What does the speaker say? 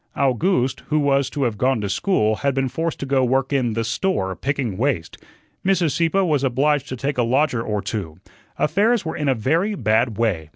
Owgooste, who was to have gone to school, had been forced to go to work in "the store," picking waste. Mrs. Sieppe was obliged to take a lodger or two. Affairs were in a very bad way.